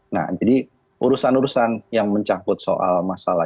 nah jadi urusan urusan yang mencakup soal masalah